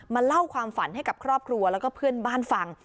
เล่าความฝันให้กับครอบครัวแล้วก็เพื่อนบ้านฟัง